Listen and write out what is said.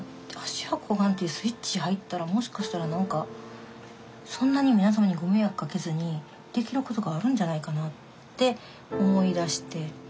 芦屋小雁ってスイッチ入ったらもしかしたら何かそんなに皆様にご迷惑かけずにできる事があるんじゃないかなって思い出して。